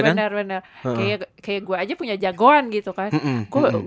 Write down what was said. kayak gue aja punya jagoan gitu kan